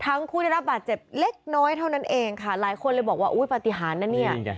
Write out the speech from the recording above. ผู้ได้รับบาดเจ็บเล็กน้อยเท่านั้นเองค่ะหลายคนเลยบอกว่าอุ้ยปฏิหารนะเนี่ย